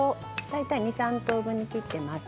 大体２、３等分に切っています。